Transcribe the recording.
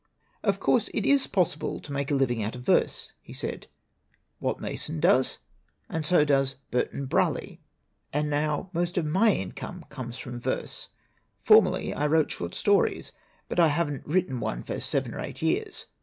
"Of course it is possible to make a living out of verse," he said. "Walt Mason does, and so does Berton Braley. And now most of my in come comes from my verse. Formerly I wrote short stories, but I haven't written one for seven or eight years.